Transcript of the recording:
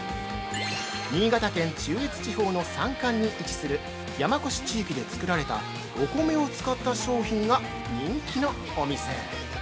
新潟県中越地方の山間に位置する山古志地域で作られたお米を使った商品が人気のお店。